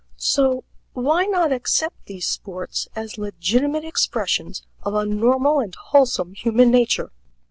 So, why not accept these sports as legitimate expressions of a normal and wholesome human nature?